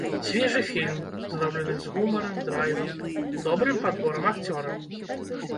Свежы фільм, зроблены з гумарам, драйвам, добрым падборам акцёраў.